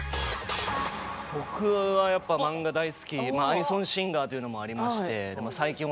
僕はやっぱ漫画大好きまあア二ソンシンガーというのもありまして